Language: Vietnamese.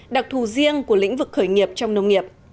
đặc thù riêng của lĩnh vực khởi nghiệp trong nông nghiệp